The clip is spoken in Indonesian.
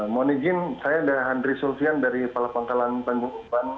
mohon izin saya dari handri sulfian dari kepala pangkalan tanjung uban